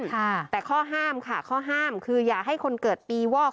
ค่ะแต่ข้อห้ามค่ะข้อห้ามคืออย่าให้คนเกิดปีวอก